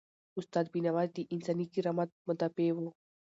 استاد بینوا د انساني کرامت مدافع و.